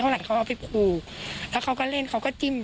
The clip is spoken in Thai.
มันเรียกกดตือรอบนึงเสร็จปุ๊บ